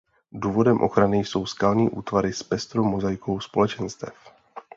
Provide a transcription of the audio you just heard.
Důvodem ochrany jsou skalní útvary s pestrou mozaikou společenstev.